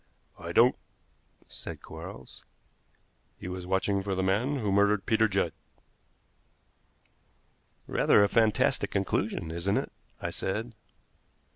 "I don't," said Quarles. "He was watching for the man who murdered Peter Judd." "Rather a fantastic conclusion, isn't it?" I said.